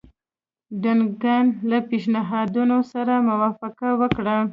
ډنکن له پېشنهادونو سره موافقه وکړه.